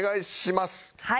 はい。